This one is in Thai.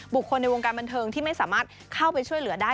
คนในวงการบันเทิงที่ไม่สามารถเข้าไปช่วยเหลือได้